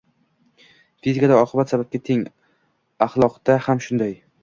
Fizikada oqibat sababga teng. Ahloqda ham shunday.